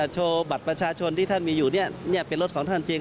โชว์บัตรประชาชนที่ท่านมีอยู่เป็นรถของท่านจริง